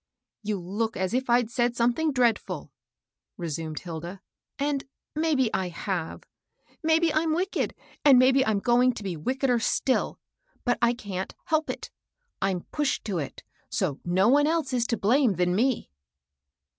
" You look as if Td said something dreadful,'* resumed Hilda, "and maybe I have. Maybe I'n^gpcked, and maybe I'm going to be wickeder still ; but I can't help it. I'm pushed to it, so some one else is to blame than me."